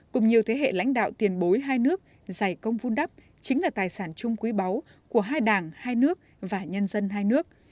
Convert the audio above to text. cùng nhiều thế hệ lãnh đạo tiền bối hai nước giải công vun đắp chính là tài sản chung quý báu của hai đảng hai nước và nhân dân hai nước